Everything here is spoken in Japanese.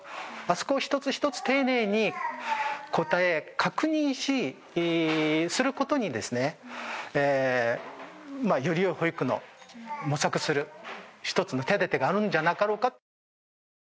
そこをひとつひとつ丁寧に答え確認することにですねよりよい保育の模索する一つの手だてがあるんじゃなかろうか。